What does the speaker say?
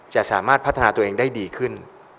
จะสามารถพัฒนาตัวเองได้ดีขึ้น